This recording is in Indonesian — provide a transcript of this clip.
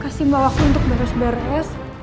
kasih bawaku untuk beres beres